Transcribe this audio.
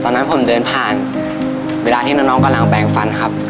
ตอนนั้นผมเดินผ่านเวลาที่น้องกำลังแปลงฟันครับ